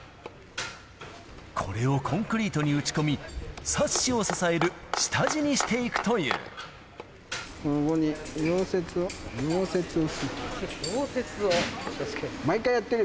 これをコンクリートに打ち込み、サッシを支える下地にしていくとここに溶接を、溶接をする。